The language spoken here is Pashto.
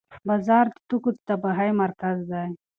بازار د توکو د تبادلې مرکز دی.